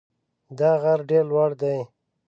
دا غر ډېر لوړ دی.